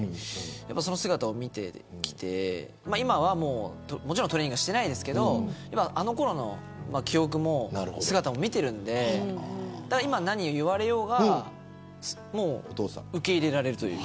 その姿を見てきて今は、もちろんトレーニングはしてないですけどあのころの記憶も姿を見ているのでだから今、何を言われようが受け入れられるという。